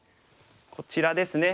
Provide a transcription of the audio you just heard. こちらですね。